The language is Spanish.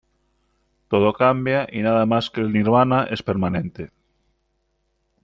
Todo cambia y nada más que el Nirvana es permanente.